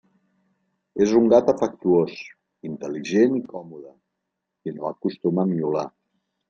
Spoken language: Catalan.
És un gat afectuós, intel·ligent i còmode, i no acostuma a miolar.